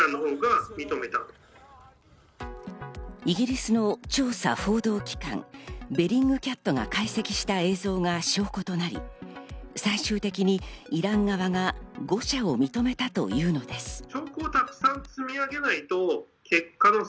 イギリスの調査報道機関、ベリングキャットが解析した映像が証拠となり、最終的にイラン側が誤射を認めたというのです。